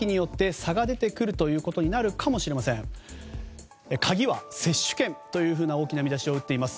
鍵は接種券という大きな見出しを打っています。